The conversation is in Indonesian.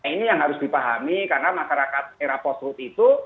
ini yang harus dipahami karena masyarakat era post road itu